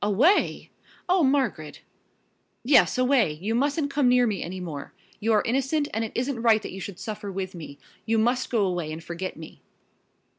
"Away? Oh, Margaret!" "Yes, away you mustn't come near me any more. You are innocent and it isn't right that you should suffer with me. You must go away and forget me."